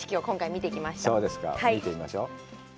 見てみましょう。